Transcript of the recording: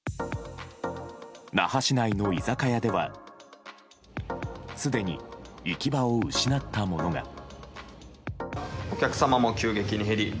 那覇市内の居酒屋ではすでに行き場を失ったものが。